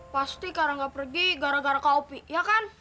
pasti karangga pergi gara gara kak opi ya kan